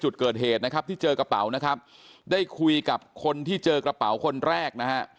จุดเกิดเหตุนะครับที่เจอกระเป๋านะครับได้คุยกับคนที่เจอกระเป๋าคนแรกนะฮะ